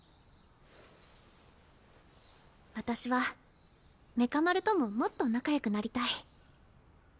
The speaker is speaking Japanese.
私はメカ丸とももっと仲よくなりたい。